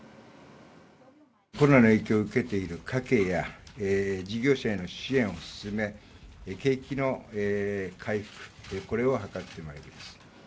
コロナの影響を受けている家計や事業者への支援を進め、景気の回復、これを図ってまいります。